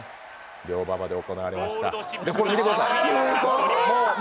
良馬場で行われました。